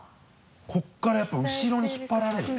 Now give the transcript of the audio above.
ここからやっぱり後ろに引っ張られるね。